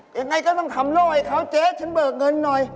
ยังไงก็ต้องทำโล่ให้เขาเจ๊ฉันเบิกเงินหน่อย